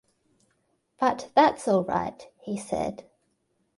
"But that's all right," he said.